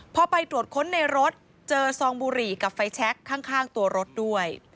พอไปตรวจค้นในรถเจอซองบุหรี่กับไฟแชคข้างตัวรถด้วย